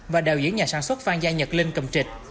và đạo diễn nhà sản xuất phan gia nhật linh cầm trịch